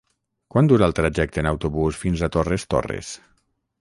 Quant dura el trajecte en autobús fins a Torres Torres?